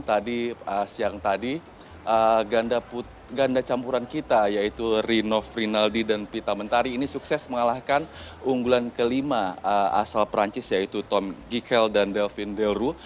tadi siang tadi ganda campuran kita yaitu rinov rinaldi dan pita mentari ini sukses mengalahkan unggulan kelima asal perancis yaitu tom gikel dan delvin delru